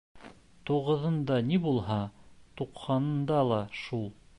Туғыҙыңда ни булһа, туҡһанында ла шул.